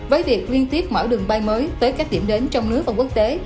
với việc liên tiếp mở đường bay mới tới các điểm đến trong nước và quốc tế